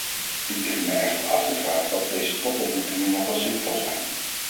Ik begin mij echter af te vragen of deze topontmoetingen nog wel zinvol zijn.